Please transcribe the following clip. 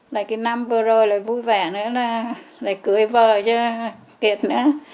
cái năm vừa rồi vui vẻ nữa là cưới vợ cho kiệt nữa